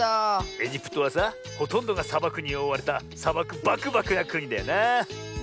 エジプトはさほとんどがさばくにおおわれたさばくばくばくなくにだよなあ。